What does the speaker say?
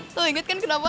lo inget kan kenapa